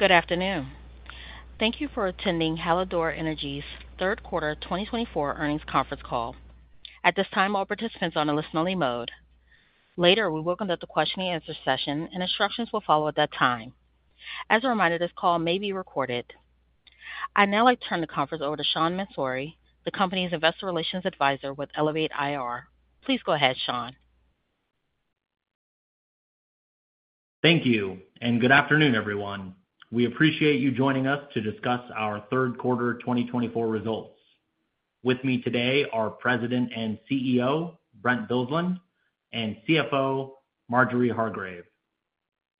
Good afternoon. Thank you for attending Hallador Energy's Q3 2024 Earnings Conference Call. At this time, all participants are on a listen-only mode. Later, we will conduct a question-and-answer session, and instructions will follow at that time. As a reminder, this call may be recorded. I'd now like to turn the conference over to Sean Mansouri, the company's investor relations advisor with Elevate IR. Please go ahead, Sean. Thank you, and good afternoon, everyone. We appreciate you joining us to discuss our Q3 2024 results. With me today are President and CEO Brent Bilsland and CFO Marjorie Hargrave.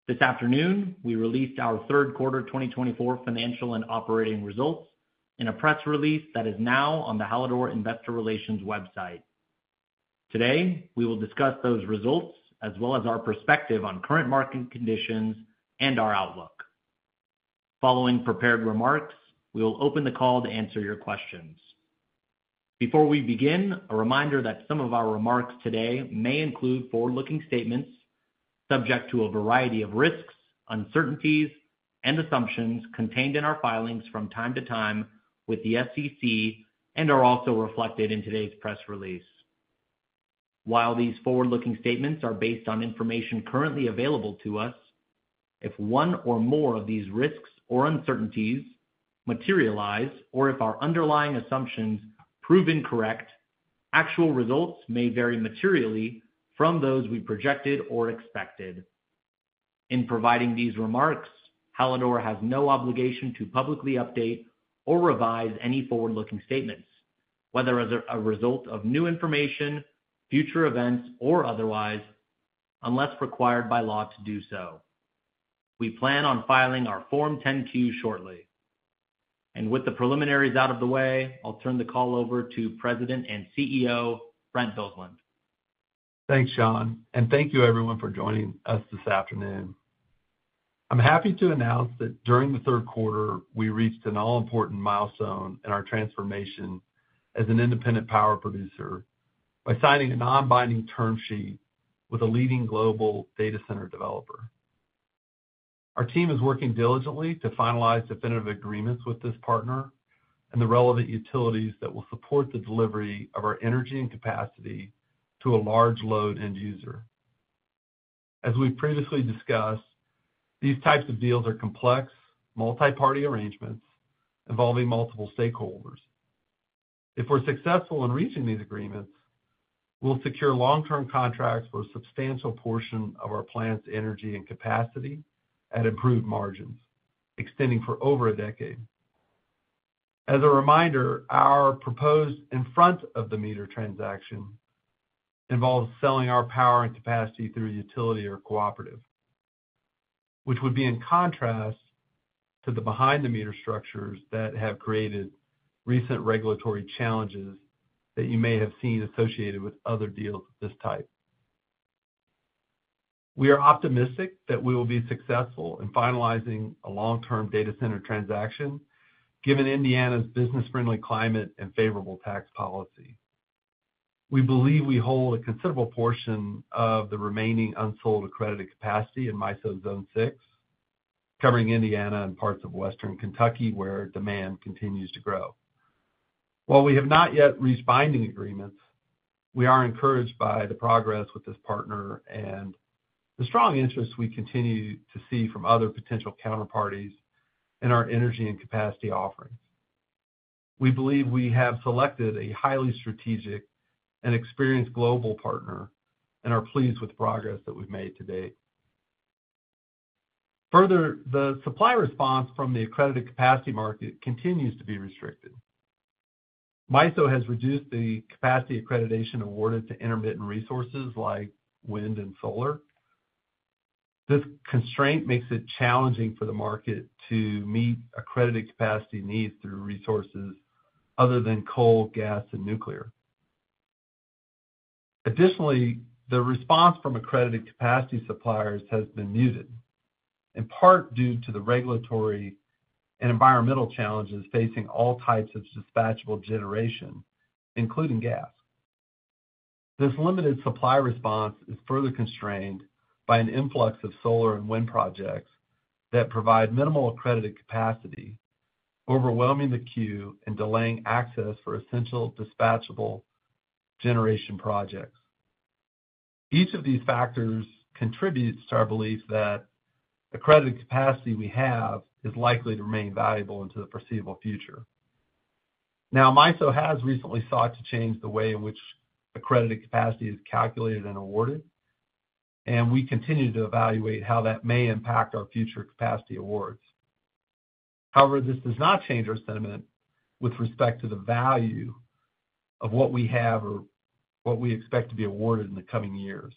This afternoon, we released our Q3 2024 financial and operating results in a press release that is now on the Hallador Investor Relations website. Today, we will discuss those results as well as our perspective on current market conditions and our outlook. Following prepared remarks, we will open the call to answer your questions. Before we begin, a reminder that some of our remarks today may include forward-looking statements subject to a variety of risks, uncertainties, and assumptions contained in our filings from time to time with the SEC and are also reflected in today's press release. While these forward-looking statements are based on information currently available to us, if one or more of these risks or uncertainties materialize or if our underlying assumptions prove incorrect, actual results may vary materially from those we projected or expected. In providing these remarks, Hallador has no obligation to publicly update or revise any forward-looking statements, whether as a result of new information, future events, or otherwise, unless required by law to do so. We plan on filing our Form 10-Q shortly. And with the preliminaries out of the way, I'll turn the call over to President and CEO Brent Bilsland. Thanks, Sean, and thank you, everyone, for joining us this afternoon. I'm happy to announce that during the Q3, we reached an all-important milestone in our transformation as an independent power producer by signing a non-binding term sheet with a leading global data center developer. Our team is working diligently to finalize definitive agreements with this partner and the relevant utilities that will support the delivery of our energy and capacity to a large load end user. As we've previously discussed, these types of deals are complex, multi-party arrangements involving multiple stakeholders. If we're successful in reaching these agreements, we'll secure long-term contracts for a substantial portion of our plant's energy and capacity at improved margins, extending for over a decade. As a reminder, our proposed in-front-of-the-meter transaction involves selling our power and capacity through a utility or cooperative, which would be in contrast to the behind-the-meter structures that have created recent regulatory challenges that you may have seen associated with other deals of this type. We are optimistic that we will be successful in finalizing a long-term data center transaction given Indiana's business-friendly climate and favorable tax policy. We believe we hold a considerable portion of the remaining unsold accredited capacity in MISO Zone 6, covering Indiana and parts of Western Kentucky where demand continues to grow. While we have not yet reached binding agreements, we are encouraged by the progress with this partner and the strong interest we continue to see from other potential counterparties in our energy and capacity offerings. We believe we have selected a highly strategic and experienced global partner and are pleased with the progress that we've made to date. Further, the supply response from the accredited capacity market continues to be restricted. MISO has reduced the capacity accreditation awarded to intermittent resources like wind and solar. This constraint makes it challenging for the market to meet accredited capacity needs through resources other than coal, gas, and nuclear. Additionally, the response from accredited capacity suppliers has been muted, in part due to the regulatory and environmental challenges facing all types of dispatchable generation, including gas. This limited supply response is further constrained by an influx of solar and wind projects that provide minimal accredited capacity, overwhelming the queue and delaying access for essential dispatchable generation projects. Each of these factors contributes to our belief that the accredited capacity we have is likely to remain valuable into the foreseeable future. Now, MISO has recently sought to change the way in which accredited capacity is calculated and awarded, and we continue to evaluate how that may impact our future capacity awards. However, this does not change our sentiment with respect to the value of what we have or what we expect to be awarded in the coming years.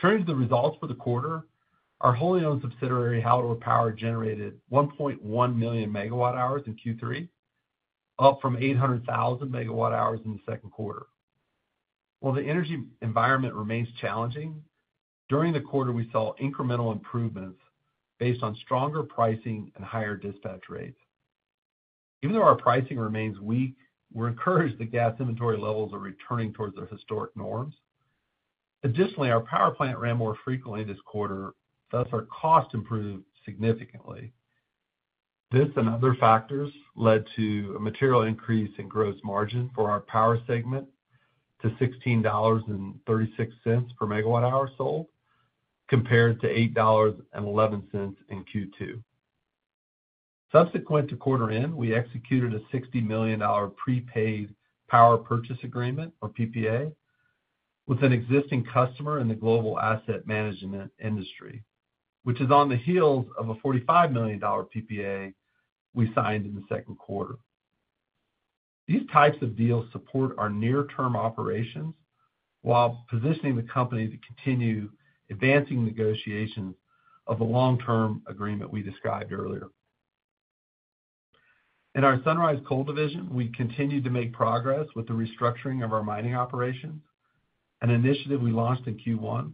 Turning to the results for the quarter, our wholly-owned subsidiary Hallador Power generated 1.1 million MWh in Q3, up from 800,000 MWh in the Q2. While the energy environment remains challenging, during the quarter, we saw incremental improvements based on stronger pricing and higher dispatch rates. Even though our pricing remains weak, we're encouraged that gas inventory levels are returning towards their historic norms. Additionally, our power plant ran more frequently this quarter. Thus, our cost improved significantly. This and other factors led to a material increase in gross margin for our power segment to $16.36 per MWh sold, compared to $8.11 in Q2. Subsequent to quarter end, we executed a $60 million prepaid power purchase agreement, or PPA, with an existing customer in the global asset management industry, which is on the heels of a $45 million PPA we signed in the Q2. These types of deals support our near-term operations while positioning the company to continue advancing negotiations of a long-term agreement we described earlier. In our Sunrise Coal division, we continue to make progress with the restructuring of our mining operations, an initiative we launched in Q1.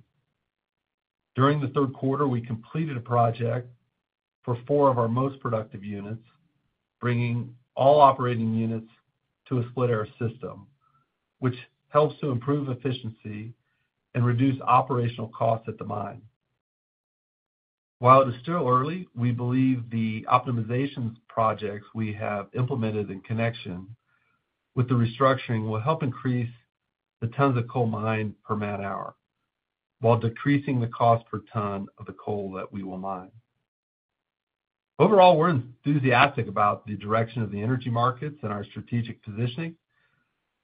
During the Q3, we completed a project for four of our most productive units, bringing all operating units to a split-air system, which helps to improve efficiency and reduce operational costs at the mine. While it is still early, we believe the optimizations projects we have implemented in connection with the restructuring will help increase the tons of coal mined per man-hour while decreasing the cost per ton of the coal that we will mine. Overall, we're enthusiastic about the direction of the energy markets and our strategic positioning.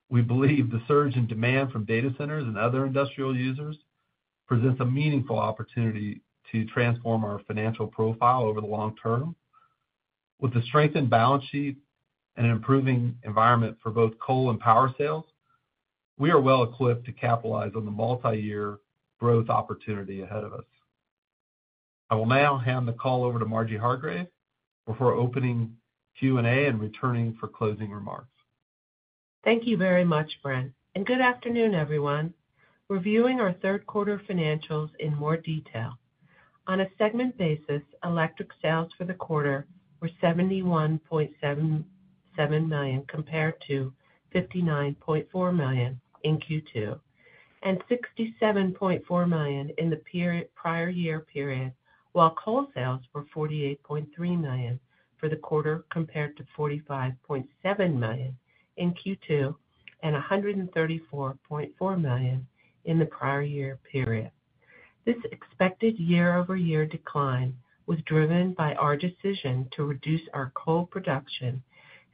We believe the surge in demand from data centers and other industrial users presents a meaningful opportunity to transform our financial profile over the long term. With the strengthened balance sheet and an improving environment for both coal and power sales, we are well equipped to capitalize on the multi-year growth opportunity ahead of us. I will now hand the call over to Marjorie Hargrave before opening Q&A and returning for closing remarks. Thank you very much, Brent. Good afternoon, everyone. Reviewing our Q3 financials in more detail. On a segment basis, electric sales for the quarter were $71.77 million compared to $59.4 million in Q2 and $67.4 million in the prior year period, while coal sales were $48.3 million for the quarter compared to $45.7 million in Q2 and $134.4 million in the prior year period. This expected year-over-year decline was driven by our decision to reduce our coal production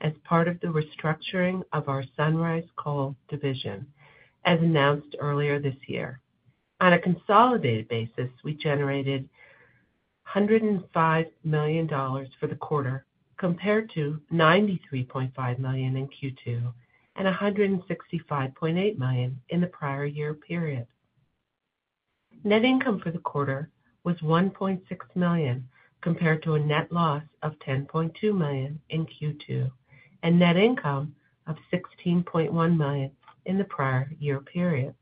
as part of the restructuring of our Sunrise Coal division, as announced earlier this year. On a consolidated basis, we generated $105 million for the quarter compared to $93.5 million in Q2 and $165.8 million in the prior year period. Net income for the quarter was $1.6 million compared to a net loss of $10.2 million in Q2 and net income of $16.1 million in the prior year period.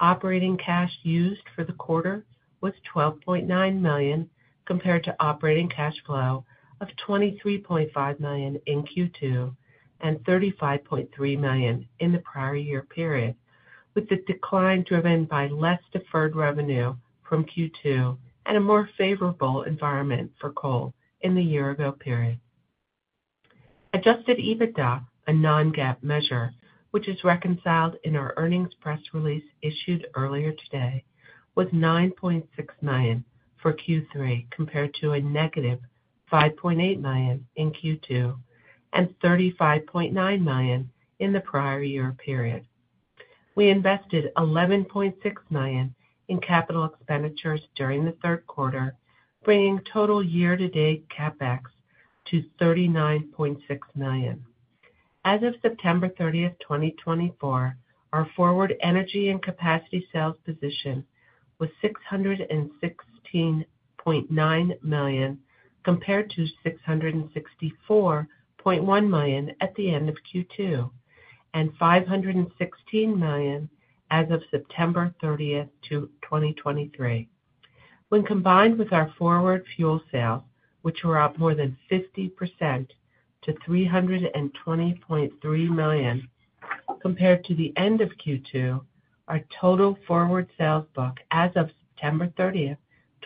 Operating cash used for the quarter was $12.9 million compared to operating cash flow of $23.5 million in Q2 and $35.3 million in the prior year period, with the decline driven by less deferred revenue from Q2 and a more favorable environment for coal in the year-ago period. Adjusted EBITDA, a non-GAAP measure, which is reconciled in our earnings press release issued earlier today, was $9.6 million for Q3 compared to a negative $5.8 million in Q2 and $35.9 million in the prior year period. We invested $11.6 million in capital expenditures during the Q3, bringing total year-to-date CapEx to $39.6 million. As of 30 September 2024, our forward energy and capacity sales position was $616.9 million compared to $664.1 million at the end of Q2 and $516 million as of 30 September 2023. When combined with our forward fuel sales, which were up more than 50% to $320.3 million compared to the end of Q2, our total forward sales book as of 30 September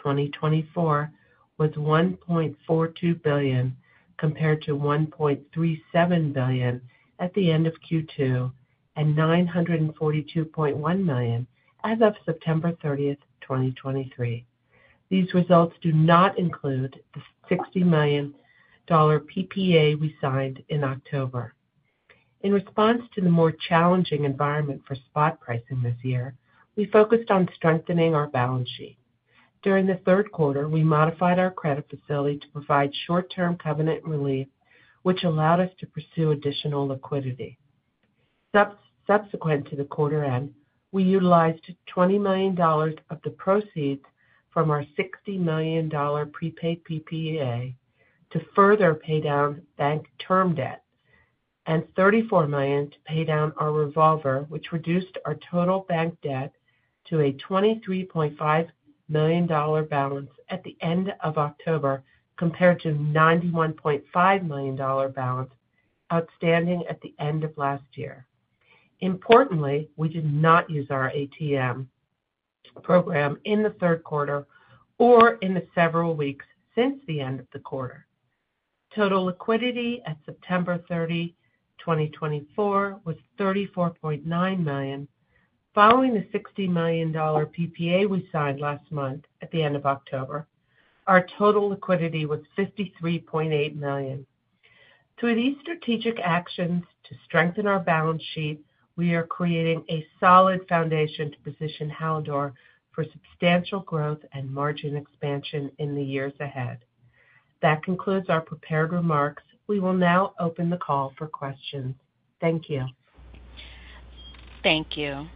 2024, was $1.42 billion compared to $1.37 billion at the end of Q2 and $942.1 million as of 30 September 2023. These results do not include the $60 million PPA we signed in October. In response to the more challenging environment for spot pricing this year, we focused on strengthening our balance sheet. During the Q3, we modified our credit facility to provide short-term covenant relief, which allowed us to pursue additional liquidity. Subsequent to the quarter end, we utilized $20 million of the proceeds from our $60 million prepaid PPA to further pay down bank term debt and $34 million to pay down our revolver, which reduced our total bank debt to a $23.5 million balance at the end of October compared to a $91.5 million balance outstanding at the end of last year. Importantly, we did not use our ATM program in the Q3 or in the several weeks since the end of the quarter. Total liquidity at 30 September 2024, was $34.9 million. Following the $60 million PPA we signed last month at the end of October, our total liquidity was $53.8 million. Through these strategic actions to strengthen our balance sheet, we are creating a solid foundation to position Hallador for substantial growth and margin expansion in the years ahead. That concludes our prepared remarks. We will now open the call for questions. Thank you. Thank you.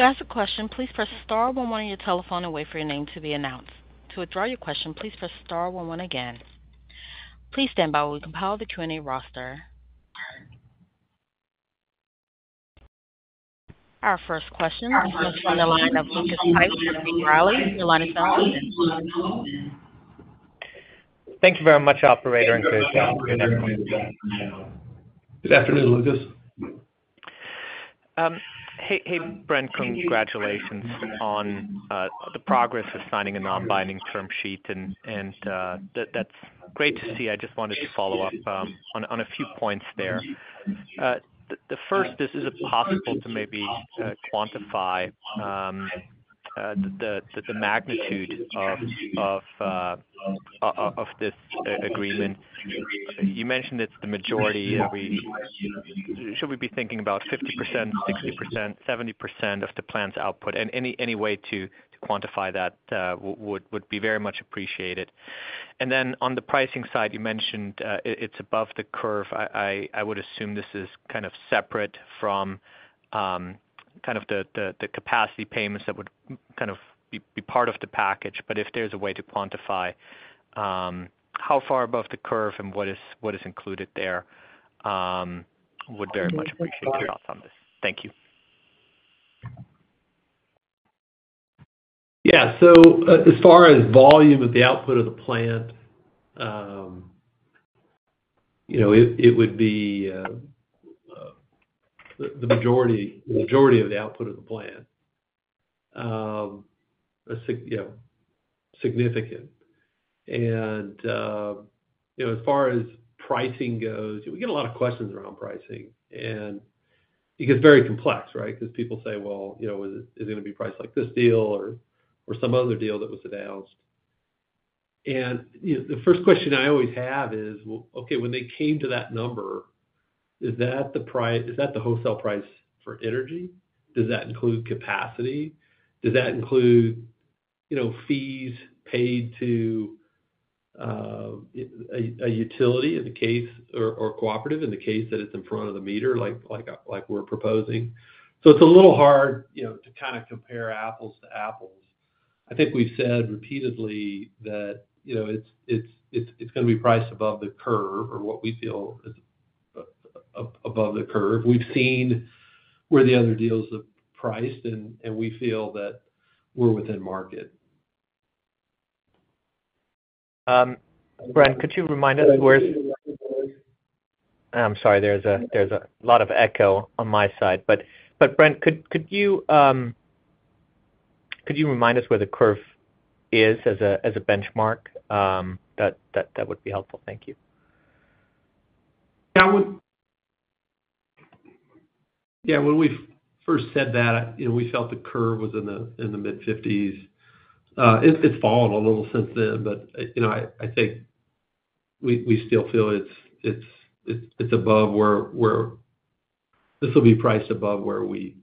To ask a question, please press star one one on your telephone and wait for your name to be announced. To withdraw your question, please press star one one again. Please stand by while we compile the Q&A roster. Our first question is from the line of Lucas Pipes, B. Riley. Your line is now open. Thank you very much, Operator, and good afternoon, everyone. Good afternoon, Lucas. Hey, Brent. Congratulations on the progress of signing a non-binding term sheet, and that's great to see. I just wanted to follow up on a few points there. The first is, is it possible to maybe quantify the magnitude of this agreement? You mentioned it's the majority. Should we be thinking about 50%, 60%, 70% of the plant's output? Any way to quantify that would be very much appreciated. And then on the pricing side, you mentioned it's above the curve. I would assume this is kind of separate from kind of the capacity payments that would kind of be part of the package. But if there's a way to quantify how far above the curve and what is included there, I would very much appreciate your thoughts on this. Thank you. Yeah. So as far as volume of the output of the plant, it would be the majority of the output of the plant, significant. And as far as pricing goes, we get a lot of questions around pricing, and it gets very complex, right, because people say, "Well, is it going to be priced like this deal or some other deal that was announced?" And the first question I always have is, "Okay, when they came to that number, is that the wholesale price for energy? Does that include capacity? Does that include fees paid to a utility or cooperative in the case that it's in front of the meter like we're proposing?" So it's a little hard to kind of compare apples to apples. I think we've said repeatedly that it's going to be priced above the curve or what we feel is above the curve. We've seen where the other deals are priced, and we feel that we're within market. Brent, could you remind us where? I'm sorry. There's a lot of echo on my side. But Brent, could you remind us where the curve is as a benchmark? That would be helpful. Thank you. Yeah. When we first said that, we felt the curve was in the mid-50s. It's fallen a little since then, but I think we still feel it's above where this will be priced above where we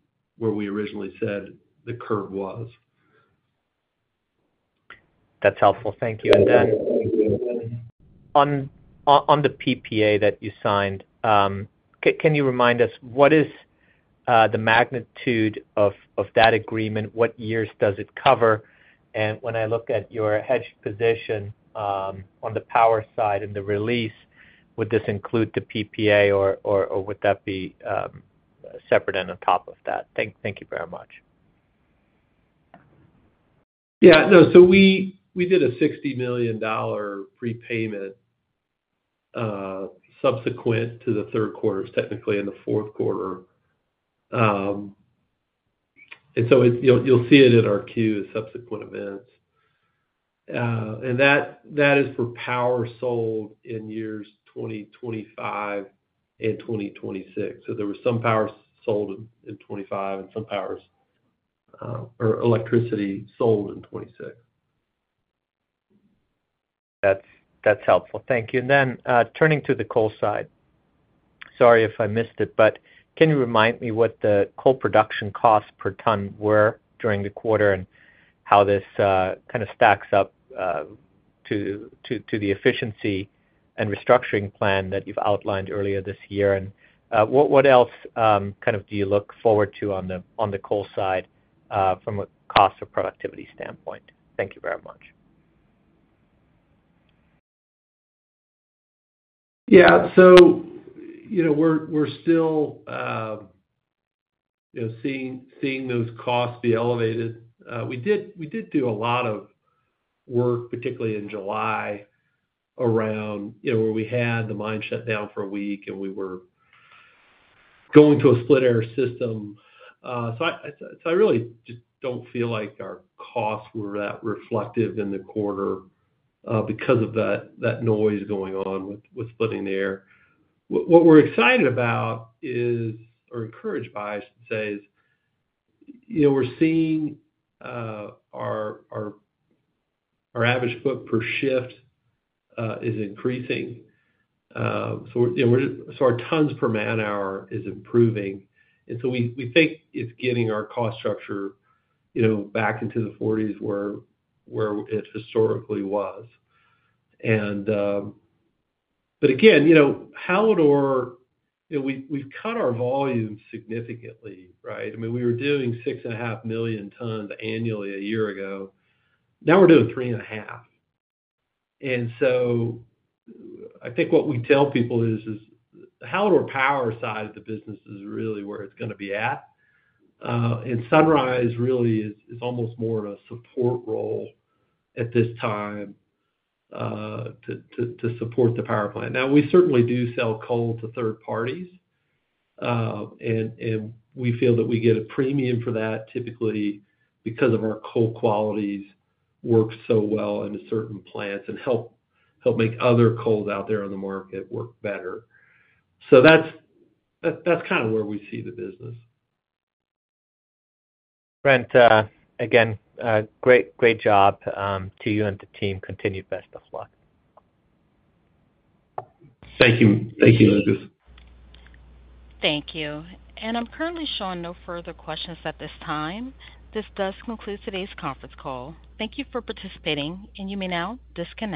originally said the curve was. That's helpful. Thank you. And then on the PPA that you signed, can you remind us what is the magnitude of that agreement? What years does it cover? And when I look at your hedge position on the power side and the release, would this include the PPA, or would that be separate and on top of that? Thank you very much. Yeah. No. So we did a $60 million prepayment subsequent to the Q3, technically, and the Q4. And so you'll see it in our Q, subsequent events. And that is for power sold in years 2025 and 2026. So there were some powers sold in 2025 and some powers or electricity sold in 2026. That's helpful. Thank you. And then turning to the coal side, sorry if I missed it, but can you remind me what the coal production costs per ton were during the quarter and how this kind of stacks up to the efficiency and restructuring plan that you've outlined earlier this year? And what else kind of do you look forward to on the coal side from a cost or productivity standpoint? Thank you very much. Yeah. So we're still seeing those costs be elevated. We did do a lot of work, particularly in July, around where we had the mine shut down for a week, and we were going to a split-air system. So I really just don't feel like our costs were that reflective in the quarter because of that noise going on with splitting the air. What we're excited about is, or encouraged by, I should say, is we're seeing our average foot per shift is increasing. So our tons per man-hour is improving. And so we think it's getting our cost structure back into the 40s where it historically was. But again, Hallador, we've cut our volume significantly, right? I mean, we were doing 6 and half million tons annually a year ago. Now we're doing 3 and a half. And so I think what we tell people is Hallador Power side of the business is really where it's going to be at. And Sunrise really is almost more of a support role at this time to support the power plant. Now, we certainly do sell coal to third parties, and we feel that we get a premium for that typically because of our coal qualities work so well in certain plants and help make other coals out there on the market work better. So that's kind of where we see the business. Brent, again, great job to you and the team. Continued best of luck. Thank you. Thank you, Lucas. Thank you, and I'm currently showing no further questions at this time. This does conclude today's conference call. Thank you for participating, and you may now disconnect.